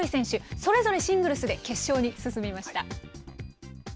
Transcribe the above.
それぞれシングルスで決勝に進みました。